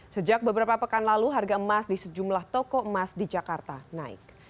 sejak beberapa pekan lalu harga emas di sejumlah toko emas di jakarta naik